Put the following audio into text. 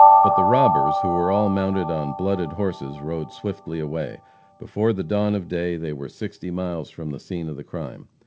But the robbers, who were all mounted on blooded horses, rode swiftly away. Before the dawn of day they were sixty miles from the scene of the crime.